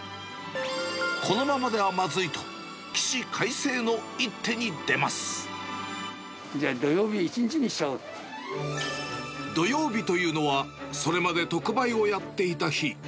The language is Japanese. このままではまずいと、じゃあ、土曜日というのは、それまで特売をやっていた日。